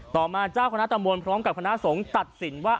ต่อมาเจ้าคณะตำบลพร้อมกับคณะสงฆ์ตัดสินว่า